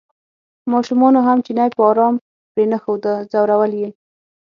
ماشومانو هم چینی په ارام پرېنښوده ځورول یې.